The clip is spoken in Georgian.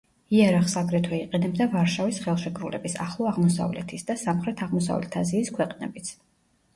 იარაღს აგრეთვე იყენებდა ვარშავის ხელშეკრულების, ახლო აღმოსავლეთის და სამხრეთ-აღმოსავლეთ აზიის ქვეყნებიც.